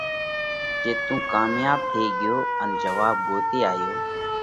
جي تُون ڪامياٻ ٿي ڳيو ان جواٻ ڳوتي آيو،